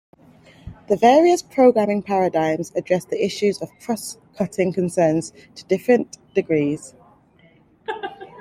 The various programming paradigms address the issue of cross-cutting concerns to different degrees.